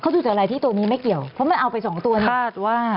ดูจากอะไรที่ตัวนี้ไม่เกี่ยวเพราะมันเอาไปสองตัวนะคาดว่า